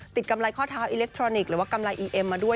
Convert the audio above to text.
กำไรข้อเท้าอิเล็กทรอนิกส์หรือว่ากำไรอีเอ็มมาด้วย